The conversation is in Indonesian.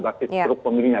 basis grup pemilihnya